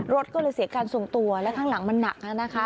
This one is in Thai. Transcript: รถก็เลยเสียการทรงตัวและข้างหลังมันหนักนะคะ